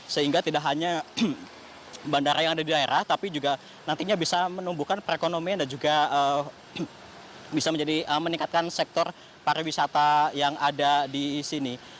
sehingga tidak hanya bandara yang ada di daerah tapi juga nantinya bisa menumbuhkan perekonomian dan juga bisa menjadi meningkatkan sektor pariwisata yang ada di sini